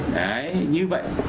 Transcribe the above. đấy như vậy